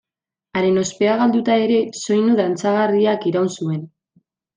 Haren ospea galduta ere, soinu dantzagarriak iraun zuen.